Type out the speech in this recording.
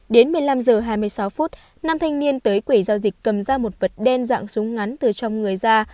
đến một mươi năm h hai mươi sáu phút nam thanh niên tới quẩy giao dịch cầm ra một vật đen dạng súng ngắn từ trong người ra